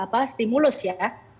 ya stimulus ya